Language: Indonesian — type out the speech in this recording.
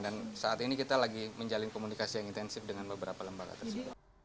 dan saat ini kita lagi menjalin komunikasi yang intensif dengan beberapa lembaga tersebut